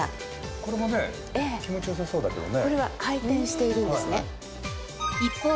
これも気持ち良さそうだけどね。